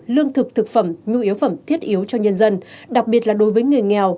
lương thực thực phẩm nhu yếu phẩm thiết yếu cho nhân dân đặc biệt là đối với người nghèo